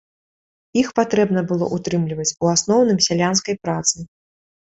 Іх патрэбна было ўтрымліваць у асноўным сялянскай працай.